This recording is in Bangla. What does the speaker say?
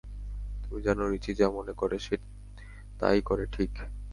তুমি জানো, রিচি যা মনে করে সে তাই করে, ঠিক?